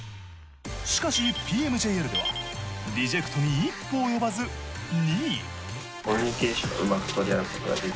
しかしＰＭＪＬではＲＥＪＥＣＴに一歩及ばず２位。